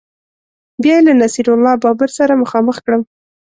بیا یې له نصیر الله بابر سره مخامخ کړم